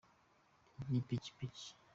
ipikipiki.